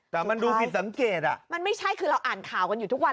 แต่มันดูผิดสังเกตอ่ะมันไม่ใช่คือเราอ่านข่าวกันอยู่ทุกวัน